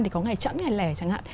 thì có ngày chẵn ngày lẻ chẳng hạn